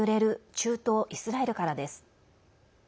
中東イスラエルからです。